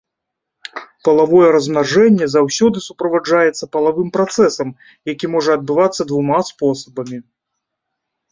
Палавое размнажэнне заўсёды суправаджаецца палавым працэсам, які можа адбывацца двума спосабамі.